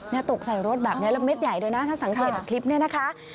ตกใส่รถแบบนี้แล้วเม็ดใหญ่ด้วยนะถ้าสังเกตจากคลิปนี้นะคะ